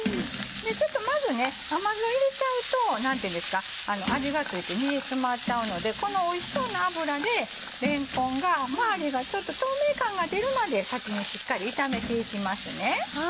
まず甘酢を入れちゃうと何ていうんですか味が付いて煮え詰まっちゃうのでこのおいしそうな脂でれんこんがまわりがちょっと透明感が出るまで先にしっかり炒めていきますね。